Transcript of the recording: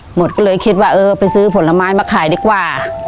หมดเลยคิดว่าเออไปซื้อผลไม้มาขายดีกว่า